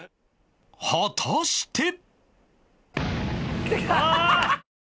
果たして